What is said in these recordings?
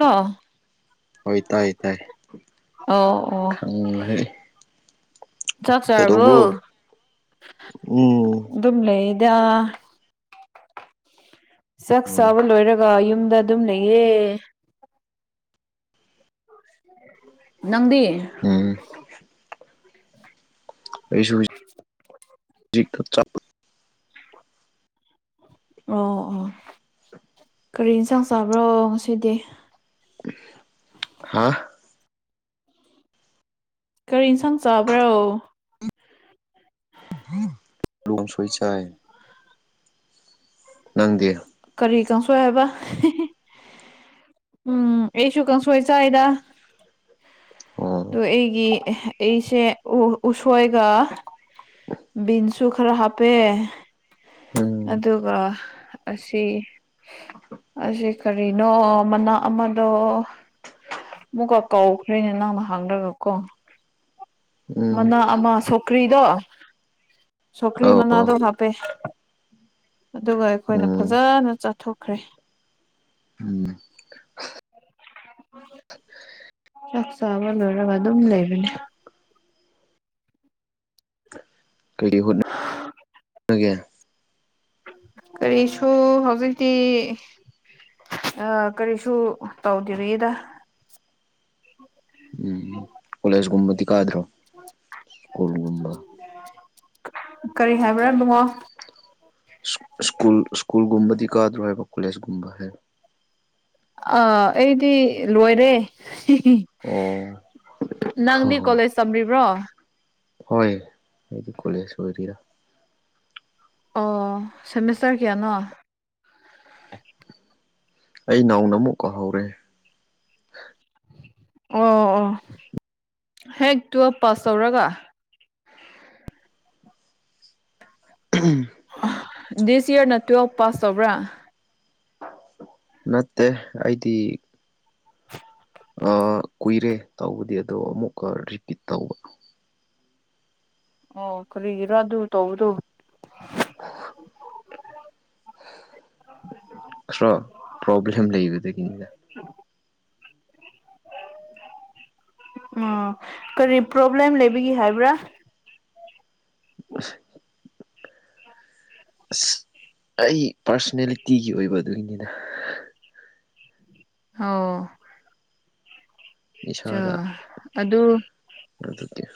ꯑ ꯍꯣꯏ ꯇꯥꯏ ꯇꯥꯏ ꯑꯣ ꯈꯪꯂꯦ ꯆꯛꯆ ꯑꯕꯨ ꯎꯝ ꯑꯗꯨꯝ ꯂꯩꯗ ꯆꯥꯛ ꯎꯝ ꯆꯥꯕ ꯂꯣꯏꯔꯒ ꯌꯨꯝꯗ ꯑꯗꯨꯝꯅꯦꯌꯦ ꯎꯝ ꯅꯪꯗꯤ ꯎꯝ ꯑꯩꯁꯨ ꯆ ꯑꯣ ꯑꯣ ꯀꯔꯤ ꯌꯦꯟꯁꯥꯡ ꯆꯥꯕ꯭ꯔꯣ ꯉꯁꯤꯗꯤ ꯍꯥꯥ ꯀꯔꯤ ꯌꯦꯟꯁꯥꯡ ꯆꯥꯕ꯭ꯔꯣ ꯂꯣꯡ ꯁꯣꯏ ꯆꯥꯏ ꯅꯪꯗꯦ ꯀꯔꯤ ꯀꯥꯡꯁꯣꯏ ꯍꯥꯏꯕ ꯎꯝ ꯑꯩꯁꯨ ꯀꯥꯡꯁꯣꯏ ꯆꯥꯏꯗ ꯑꯣ ꯑꯗꯨꯣ ꯑꯩꯒꯤ ꯑꯩꯁꯦ ꯎꯁꯣꯏꯒ ꯕꯤꯟꯁꯨ ꯈꯔ ꯍꯥꯞꯄꯦ ꯎꯝ ꯑꯗꯨꯒ ꯑꯁꯤ ꯑꯁꯤ ꯀꯔꯤꯅꯣ ꯃꯅꯥ ꯑꯃꯗꯣ ꯃꯨꯛꯒꯥ ꯀꯧꯈ꯭ꯔꯦꯅꯦ ꯅꯪꯅ ꯍꯥꯡꯗ꯭ꯔꯒ ꯀꯣ ꯎꯝ ꯃꯅꯥ ꯑꯃ ꯁꯣꯀ꯭ꯔꯤꯗꯣ ꯁꯣꯀ꯭ꯔꯤ ꯑꯧ ꯑꯣ ꯃꯅꯥꯗꯣ ꯍꯥꯞꯄꯦ ꯑꯗꯨꯒ ꯑꯩꯈꯣꯏꯅ ꯎꯝ ꯐꯖꯅ ꯆꯥꯊꯣꯛꯈ꯭ꯔꯦ ꯎ ꯆꯥꯛꯆꯥꯥꯕ ꯂꯣꯏꯔꯒ ꯑꯗꯨꯝ ꯂꯩꯕꯅꯦ ꯀꯩꯀꯩ ꯍꯣꯠꯅꯒꯦ ꯀꯔꯤꯁꯨ ꯍꯧꯖꯤꯛꯇꯤ ꯑ ꯀꯔꯤꯁꯨ ꯇꯧꯗꯔꯤꯏꯗ ꯎ [inaudible] ꯀꯣꯂꯦꯖꯒꯨꯝꯕꯗꯤ ꯀꯥꯗ꯭ꯔꯣ ꯁ꯭ꯀꯨꯜꯒꯨꯝꯕ ꯀꯔꯤ ꯍꯥꯏꯕ꯭ꯔꯥ ꯕꯨꯡꯉꯣ ꯁ꯭ꯀꯨꯜ ꯁ꯭ꯀꯨꯜꯒꯨꯝꯕꯗꯤ ꯀꯥꯗ꯭ꯔꯣ ꯍꯥꯏꯕ ꯀꯣꯂꯦꯖꯀꯨꯝꯕ ꯍꯥꯏ ꯑꯥ ꯑꯩꯗꯤ ꯂꯣꯏꯔꯦ ꯑꯣ ꯍꯣ ꯅꯪꯗꯤ ꯍꯣ ꯀꯣꯂꯦꯖ ꯇꯝꯔꯤꯕ꯭ꯔꯣ ꯍꯣꯏ ꯑꯩꯗꯤ ꯀꯣꯂꯦꯖ ꯑꯣꯏꯔꯤꯔꯥ ꯑꯣ ꯁꯦꯃꯤꯁꯇꯔ ꯀꯌꯥꯅꯣ ꯑꯩ ꯅꯧꯅ ꯑꯃꯨꯛ ꯀꯧꯍꯧꯔꯦ ꯑꯣ ꯑꯣ ꯍꯦꯛ ꯇꯨꯋꯦꯜꯞ ꯄꯥꯁ ꯇꯧꯔꯒ ꯎꯝ [inaudible] ꯗꯤꯁ ꯏꯌꯥꯔꯅ ꯇꯨꯋꯦꯜꯞ ꯄꯥꯁ ꯇꯧꯕ꯭ꯔꯥ ꯅꯠꯇꯦ ꯑꯩꯗꯤ ꯑꯥ ꯀꯨꯏꯔꯦ ꯇꯧꯕꯗꯤ ꯑꯗꯣ ꯑꯃꯨꯛꯀ ꯔꯤꯄꯤꯠ ꯇꯧꯕ ꯑꯣ ꯈꯔꯤ ꯏꯔꯣ ꯑꯗꯨ ꯇꯧꯕꯗꯨ ꯑ [inaudible] ꯈꯔꯥ ꯄ꯭ꯔꯣꯕ꯭ꯂꯦꯝ ꯂꯩꯕꯗꯒꯤꯅꯤꯅ ꯎꯝ [inaudible] ꯎ ꯀꯔꯤ ꯄ꯭ꯔꯣꯕ꯭ꯂꯦꯝ ꯂꯩꯕꯒꯦ ꯍꯥꯏꯕ꯭ꯔꯥ [inaudible] ꯑꯁ ꯑꯩ ꯄꯥꯔꯁꯣꯅꯦꯂꯤꯇꯤꯒꯤ ꯑꯣꯏꯕ ꯑꯗꯨꯒꯤꯅꯤꯗ ꯍꯥꯎ ꯆꯥ ꯏꯁꯥꯗ ꯑꯗꯨ [inaudible]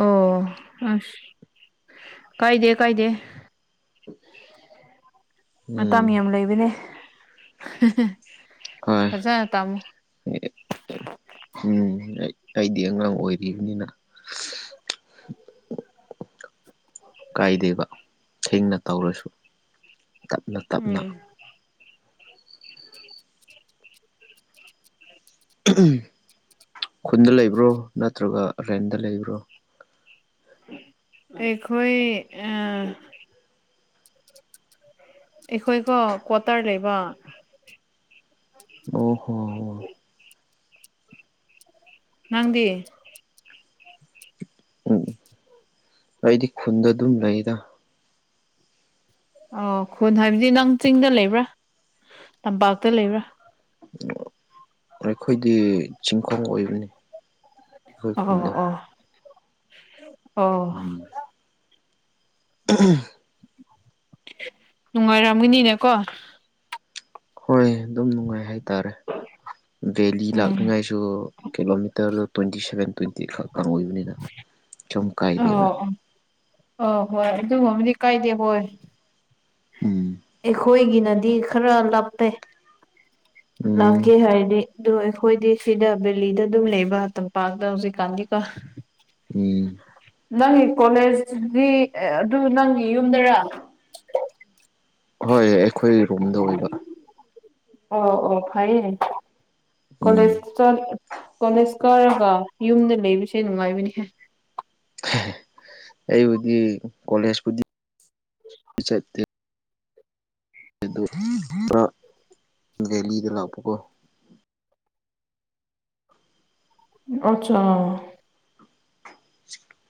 ꯑꯣ ꯑꯁ ꯀꯥꯏꯗꯦ ꯀꯥꯏꯗꯦ ꯃꯇꯥꯝ ꯎꯝ ꯌꯥꯝ ꯂꯩꯕꯅꯦ ꯍꯣꯏ ꯐꯖꯅ ꯇꯝꯃꯨ ꯎꯝ ꯑꯩ ꯑꯩꯗꯤ ꯑꯉꯥꯡ ꯑꯣꯏꯔꯤꯕꯅꯤꯅ ꯀꯥꯏꯗꯦꯕ ꯊꯦꯡꯅ ꯇꯧꯔꯁꯨ ꯇꯞꯅ ꯇꯞꯅ ꯎꯝ ꯈꯨꯟꯗ ꯂꯩꯕ꯭ꯔꯣ ꯅꯠꯇ꯭ꯔꯒ ꯔꯦꯟꯗ ꯂꯩꯕ꯭ꯔꯣ ꯑꯩꯈꯣꯏꯣꯏ ꯑ ꯑꯩꯈꯣꯏꯀꯣ ꯀ꯭ꯋꯥꯇꯔ ꯂꯩꯕ ꯑꯣ ꯍꯣ ꯑꯣ ꯅꯪꯗꯤ ꯎꯝ ꯑꯩꯗꯤ ꯈꯨꯟꯗ ꯑꯗꯨꯝ ꯂꯩꯗ ꯑꯣ ꯈꯨꯟ ꯍꯥꯏꯕꯗꯤ ꯅꯪ ꯆꯤꯡꯗ ꯂꯩꯕ꯭ꯔꯥ ꯇꯝꯄꯥꯛꯇ ꯂꯩꯕ꯭ꯔꯥ ꯑꯩꯈꯣꯏꯗꯤ ꯆꯤꯡꯈꯣꯡ ꯑꯣꯏꯕꯅꯤ ꯑꯩꯈꯣꯏ ꯑꯣ ꯈꯨꯟꯗꯣ ꯑꯣ ꯑꯣ ꯎꯝ [inaudible] ꯅꯨꯡꯉꯥꯏꯔꯝꯒꯅꯤꯅꯦ ꯀꯣ ꯍꯣꯏ ꯑꯗꯨꯝ ꯅꯨꯡꯉꯥꯏ ꯍꯥꯏꯇꯥꯔꯦ ꯕꯦꯂꯤ ꯎꯝ ꯂꯥꯛꯅꯤꯉꯥꯏꯁꯨ ꯗꯨ ꯀꯤꯂꯣꯃꯤꯇꯔ ꯇ꯭ꯋꯦꯟꯇꯤ ꯁꯚꯦꯟ ꯇ꯭ꯋꯦꯟꯇꯤ ꯈꯛꯂꯥ ꯑꯣꯏꯕꯅꯤ ꯑ ꯑ ꯍꯣꯏ ꯑꯗꯨꯒꯨꯝꯕꯗꯤ ꯀꯥꯏꯗꯦ ꯍꯣꯏ ꯎꯝ ꯑꯩꯈꯣꯏꯒꯤꯅꯗꯤ ꯈꯔ ꯂꯞꯄꯦ ꯎꯝ ꯂꯥꯛꯀꯦ ꯍꯥꯏꯔꯅꯤ ꯑꯗꯨ ꯑꯩꯈꯣꯏꯗꯤ ꯁꯤꯗ ꯕꯦꯂꯤꯗ ꯑꯗꯨꯝ ꯂꯩꯕ ꯇꯝꯄꯥꯛꯇ ꯍꯧꯖꯤꯛꯀꯥꯟꯗꯤꯀꯣ ꯎꯝ ꯅꯪꯒꯤ ꯀꯣꯂꯦꯖꯗꯤ ꯑꯗꯨ ꯅꯪꯒꯤ ꯌꯨꯝꯗꯔꯥ ꯍꯣꯏ ꯑꯩꯈꯣꯏ ꯔꯨꯝꯗ ꯑꯣꯏꯕ ꯑꯣ ꯑꯣ ꯐꯩꯌꯦ ꯎꯝ ꯀꯂꯦꯖ ꯆꯠ ꯀꯣꯂꯦꯖ ꯀꯥꯔꯒ ꯌꯨꯝꯗ ꯂꯩꯕꯁꯦ ꯅꯨꯡꯉꯥꯏꯕꯅꯤꯍꯦ ꯑꯩꯕꯨꯗꯤ ꯀꯣꯂꯦꯖꯄꯨꯗꯤ ꯆꯠꯇꯦ ꯑꯗꯨ [unintelligible] ꯗꯦꯂꯤꯗ ꯂꯥꯛꯄꯀꯣ ꯑꯆꯥ [inaudible]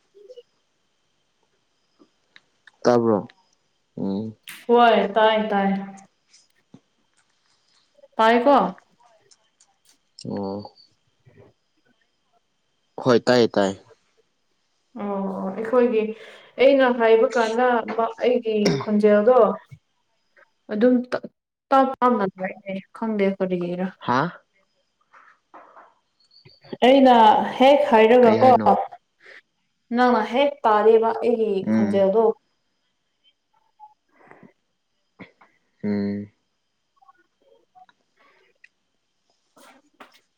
ꯇꯥꯕ꯭ꯔꯣ ꯎꯝ ꯍꯣꯏ ꯇꯥꯏ ꯇꯥꯏ ꯄꯥꯏꯌꯨ ꯀꯣ ꯑꯣ ꯍꯣꯏ ꯇꯥꯏꯌꯦ ꯇꯥꯏꯌꯦ ꯑꯣ ꯑꯣ ꯑꯩꯈꯣꯏꯒꯤ ꯑꯩꯅ ꯍꯥꯏꯕ ꯀꯥꯟꯗ ꯑꯩꯒꯤ ꯈꯣꯟꯖꯦꯜꯗꯣ ꯑꯗꯨꯝ [unintelligible] ꯇꯥꯏꯌꯦ ꯈꯪꯗꯦ ꯀꯔꯤꯒꯤꯔꯥ ꯍꯥꯥ ꯑꯩꯅ ꯍꯦꯛ ꯀꯩ ꯍꯥꯏꯔꯒꯀꯣ ꯍꯥꯏꯅꯣ ꯅꯪꯅ ꯍꯦꯛ ꯄꯥꯜꯂꯦꯕ ꯑꯩꯒꯤ ꯎꯝ ꯈꯣꯟꯖꯦꯜꯗꯣ ꯎꯝ [unintelligible]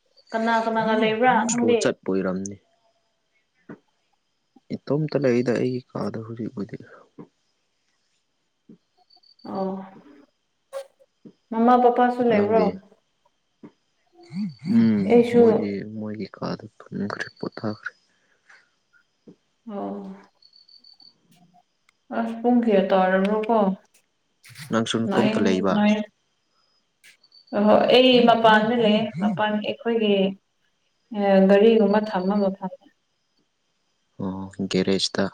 ꯀꯅꯥꯒ ꯂꯩꯕ꯭ꯔꯥ ꯏꯁꯂꯣ ꯅꯪꯗꯤ ꯆꯠꯄ ꯑꯣꯏꯔꯝꯅꯤ ꯏꯇꯣ ꯇꯂꯦ ꯑꯩꯗ ꯑꯩꯒꯤ ꯀꯥꯗ ꯍꯧꯨꯒꯗꯤ ꯑꯣ ꯃꯃꯥ ꯄꯄ ꯅꯪꯗꯤ ꯎꯝ ꯑꯩꯁꯨ ꯃꯣꯏꯗꯤ ꯃꯣꯏꯒꯤ ꯀꯥꯗ ꯊꯨꯝꯈ꯭ꯔꯦ ꯄꯣꯊꯥꯈ꯭ꯔꯦ ꯑꯣꯝ ꯑꯁ ꯄꯨꯨꯡ ꯈꯦ ꯇꯔꯕꯣꯀꯣ ꯅꯪꯁꯨ ꯅꯥꯏꯟ ꯅꯇꯣꯝꯇ ꯂꯩꯕ ꯅꯥꯏꯟ ꯑꯍꯣꯏ ꯑꯩ ꯃꯄꯥꯟꯗ ꯂꯩ ꯃꯄꯥꯟ ꯑꯩꯈꯣꯏꯒꯤ ꯒꯥꯔꯤꯒꯨꯝꯕ ꯊꯝꯝꯕ ꯐꯪꯃꯦ ꯑꯣ ꯒꯦꯔꯦꯖꯇ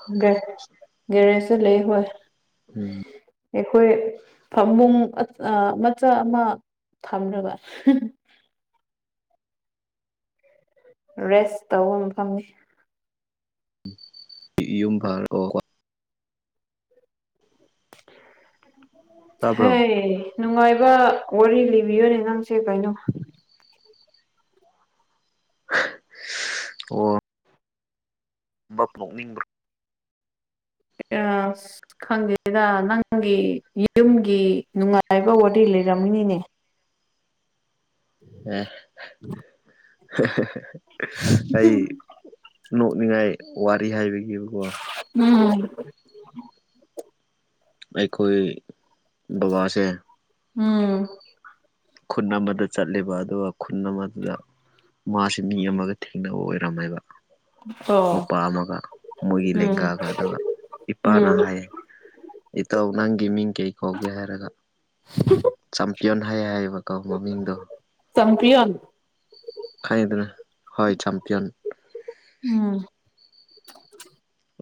ꯦꯔꯦꯁꯦ ꯂꯩꯦ ꯍꯣꯏ ꯎꯝ ꯑꯩꯈꯣꯏ ꯐꯃꯨꯡ ꯃꯆꯥ ꯑꯃ ꯊꯝꯅꯕ ꯔꯦꯁ ꯇꯧꯕ ꯃꯐꯝꯅꯤ ꯄ ꯌꯨꯝ ꯐꯥꯔ ꯀꯣ ꯇꯥꯕ꯭ꯔꯣ ꯍꯦ ꯅꯨꯡꯉꯥꯏꯕ ꯋꯥꯔꯤ ꯂꯤꯕꯤꯌꯨꯅꯦ ꯅꯪꯁꯦ ꯀꯩꯅꯣ ꯑꯣ ꯝꯕ ꯄꯣꯛꯅꯤꯡꯕ꯭ꯔꯥ ꯑ ꯈꯪꯗꯦꯗ ꯅꯪꯒꯤ ꯌꯨꯝꯒꯤ ꯅꯨꯡꯉꯥꯏ ꯍꯥꯏꯥꯏꯕ ꯋꯥꯔꯤ ꯂꯩꯔꯝꯃꯤꯅꯤꯅꯦ ꯑꯩ ꯅꯣꯛꯅꯤꯡꯉꯥꯏ ꯋꯥꯔꯤ ꯍꯥꯏꯕꯤꯒꯤꯀꯣ ꯎꯝ ꯑꯩꯈꯣꯏ ꯕꯕꯥꯁꯦ ꯎꯝ ꯈꯨꯟ ꯑꯃꯗ ꯆꯠꯂꯦꯕ ꯑꯗꯨꯒ ꯈꯨꯟ ꯑꯃꯗꯨꯗ ꯃꯥꯁꯤ ꯃꯤ ꯑꯃꯒ ꯊꯦꯡꯅꯕ ꯑꯣꯏꯔꯝꯃꯦꯕ ꯅꯨꯄꯥ ꯑꯃꯒ ꯃꯣꯏꯒꯤ ꯂꯦꯡꯒꯥꯒ ꯑꯗꯨꯒ ꯏꯄꯥꯅ ꯍꯥꯏꯌꯦ ꯏꯇꯥꯎ ꯅꯪꯒꯤ ꯃꯤꯡ ꯀꯩ ꯀꯧꯒꯦ ꯍꯥꯏꯔꯒ ꯆꯝꯄꯤꯌꯣꯟ ꯍꯥꯏ ꯍꯥꯏꯌꯦꯕꯀꯣ ꯃꯃꯤꯡꯗꯣ ꯆꯝꯄꯤꯌꯣꯟ ꯈꯥꯏꯗꯅ ꯍꯣꯏ ꯆꯝꯄꯤꯌꯣꯟ ꯎꯝ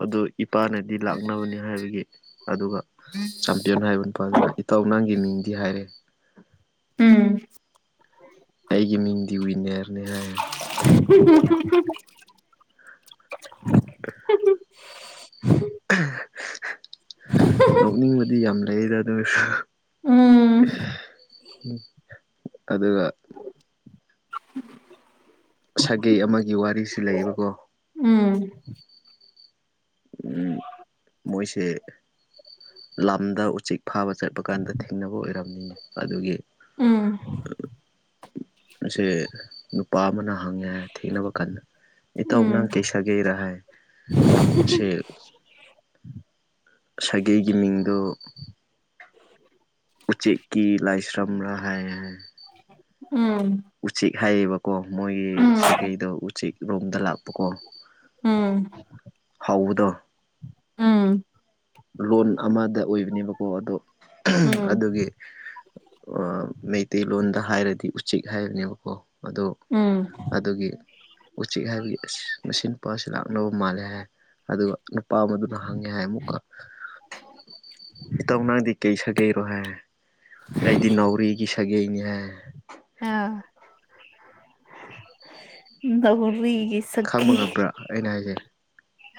ꯑꯗꯨ ꯏꯄꯥꯅꯗꯤ ꯂꯥꯛꯅꯕꯅꯤ ꯍꯥꯏꯕꯒꯤ ꯑꯗꯨꯒ ꯆꯝ ꯄꯌꯣꯟ ꯍꯥꯏꯕ ꯅꯨꯄꯥꯗꯨꯅ ꯏꯇꯥꯎ ꯅꯪꯒꯤ ꯃꯤꯡꯗꯤ ꯍꯥꯏꯔꯦ ꯎꯝ ꯑꯩꯒꯤ ꯃꯤꯡꯗꯤ ꯋꯤꯟꯅꯔꯅꯦ ꯍꯥꯏ ꯍꯨ ꯍꯨ ꯍꯨ inaudible ꯅꯣꯛꯅꯤꯡꯕꯗꯤ ꯌꯥꯝ ꯂꯩꯔꯤꯗ ꯑꯗꯨ ꯑꯣꯏꯔꯁꯨ ꯑꯗꯨꯒ ꯁꯥꯒꯩ ꯑꯃꯒꯤ ꯋꯥꯔꯤꯁꯨ ꯂꯩꯌꯦꯕꯀꯣ ꯎꯝ ꯎꯝ ꯃꯣꯏꯁꯦ ꯂꯝꯗ ꯎꯆꯦꯛ ꯐꯥꯕ ꯆꯠꯄ ꯀꯥꯟꯗ ꯊꯦꯡꯅꯕ ꯑꯣꯏꯔꯝꯃꯤꯅꯦ ꯑꯗꯨꯒꯤ ꯑꯁꯦ ꯅꯨꯄꯥ ꯑꯃꯅ ꯍꯪꯉꯦ ꯊꯦꯡꯅꯕ ꯀꯥꯟꯗ ꯏꯇꯥꯎ ꯅꯪ ꯀꯩꯁꯥꯒꯩꯔꯥ ꯍꯥꯏ inaudible ꯁꯦꯛ ꯁꯥꯒꯩꯒꯤ ꯃꯤꯡꯗꯣ ꯎꯆꯦꯛꯀꯤ ꯂꯥꯏꯁ꯭ꯔꯝꯔ ꯍꯥꯏꯌꯦ ꯎꯝ ꯎꯆꯦꯛ ꯍꯥꯏꯌꯦꯕꯀꯣ ꯃꯣꯏꯒꯤ ꯁꯥꯒꯩꯗꯣ ꯎꯆꯦꯛ ꯔꯣꯝꯗ ꯂꯥꯛꯄꯀꯣ ꯎꯝ ꯍꯧꯕꯗꯣ ꯂꯣꯟ ꯑꯃꯗ ꯑꯣꯏꯕꯅꯦꯕꯀꯣ ꯑꯗꯣ ꯑꯗꯨꯒꯤ ꯃꯩꯇꯩꯂꯣꯟꯗ ꯍꯥꯏꯔꯗꯤ ꯎꯆꯦꯛ ꯍꯥꯏꯕꯅꯦꯕꯀꯣ ꯑꯗꯨ ꯑꯗꯨꯒꯤ ꯎꯆꯦꯛ ꯍꯥꯏꯕꯒꯤ ꯃꯁꯤ ꯅꯨꯄꯤꯁꯤ ꯂꯥꯛꯅꯕ ꯃꯥꯜꯂꯦ ꯍꯥꯏ ꯑꯗꯨꯒ ꯅꯨꯄꯥ ꯑꯃꯗꯨꯅ ꯍꯪꯉꯦ ꯍꯥꯏ ꯑꯃꯨꯛꯀ ꯏꯇꯥꯎ ꯅꯪꯗꯤ ꯀꯩ ꯁꯥ ꯀꯩꯔꯣꯍꯥꯏ ꯑꯩꯗꯤ ꯅꯥꯎꯔꯤꯒꯤ ꯁꯥꯒꯩꯅꯤꯍꯦ ꯑ ꯅꯥꯎꯔꯤꯒꯤ ꯈꯪꯕ ꯁꯒꯩ ꯉꯝꯕ꯭ꯔꯥ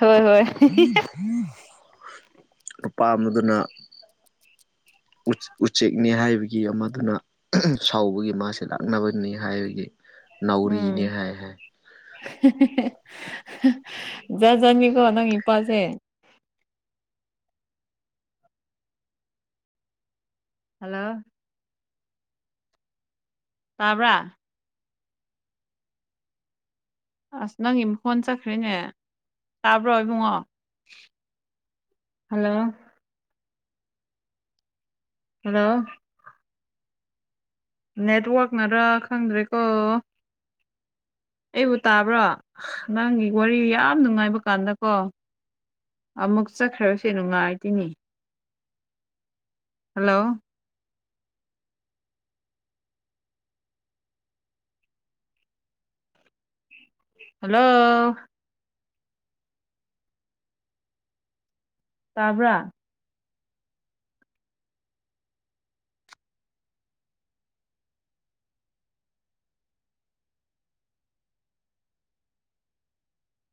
ꯍꯣꯏ ꯍꯣꯏ ꯅꯨꯨꯄꯥ ꯑꯃꯗꯨꯅ ꯎꯆꯦꯛꯅꯤ ꯍꯥꯏꯕꯒꯤ ꯑꯃꯗꯨꯅ ꯁꯥꯎꯕꯒꯤ ꯃꯥꯁꯦ ꯂꯥꯛꯅꯕꯅꯤ ꯍꯥꯏꯕꯒꯤ ꯅꯥꯎꯔꯤꯅꯤ ꯍꯥꯏ ꯍꯥꯏ ꯖꯥꯠꯖꯥꯠꯅꯤꯀꯣ ꯅꯪ ꯏꯄꯥꯁꯦ ꯍꯜꯂꯣ ꯇꯥꯕ꯭ꯔꯥ ꯑꯁ ꯅꯪꯒꯤ ꯐꯣꯟ ꯆꯠꯈ꯭ꯔꯦꯅꯦ ꯇꯥꯕ꯭ꯔꯣ ꯏꯕꯨꯡꯉꯣ ꯍꯜꯂꯣ ꯍꯜꯂꯣ ꯅꯦꯠꯋꯥꯛꯅꯔ ꯈꯪꯗ꯭ꯔꯦꯀꯣ ꯑꯩꯕꯨ ꯇꯥꯕ꯭ꯔꯣ ꯅꯪꯒꯤ ꯋꯥꯔꯤ ꯌꯥꯝ ꯅꯨꯡꯉꯥꯏꯕ ꯀꯥꯟꯗꯀꯣ ꯑꯃꯨꯛ ꯆꯠꯈ꯭ꯔꯕꯁꯨꯦ ꯅꯨꯡꯉꯥꯏꯇꯣꯏꯅꯤ ꯍꯜꯂꯣ ꯍꯜꯂꯣ ꯇꯥꯕ꯭ꯔꯥ